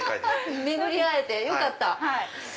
巡り合えてよかった！